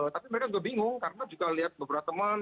tapi mereka juga bingung karena juga lihat beberapa teman